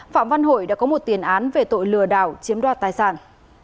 phạm văn hội đã có một tiền án về tội lừa đảo chiếm đoạt tài sản